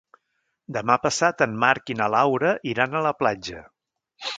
Demà passat en Marc i na Laura iran a la platja.